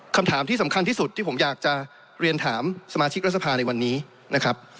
คำถามที่สำคัญที่สุดที่ผมอยากจะเรียนถามสมาชิกรัฐสภาในวันนี้นะครับ